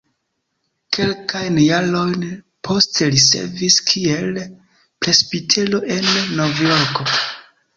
Kelkajn jarojn poste li servis kiel presbitero en Novjorko.